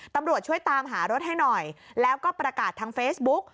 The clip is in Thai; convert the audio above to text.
ตำรวจช่วยตามหารถให้หน่อยแล้วก็ประกาศทางเฟซบุ๊ก